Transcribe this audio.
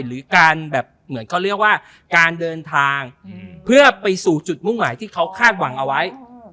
หรือการแบบเหมือนเขาเรียกว่าการเดินทางเพื่อไปสู่จุดมุ่งหมายที่เขาคาดหวังเอาไว้